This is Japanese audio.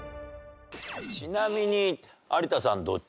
ちなみに有田さんどっち？